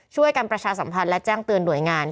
ช่วยกันประชาสัมพันธ์และแจ้งเตือนหน่วยงาน